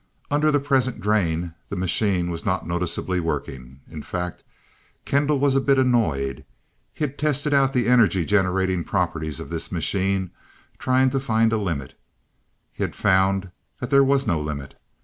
Under the present drain, the machine was not noticeably working. In fact, Kendall was a bit annoyed. He had tested out the energy generating properties of this machine, trying to find a limit. He had found there was no limit.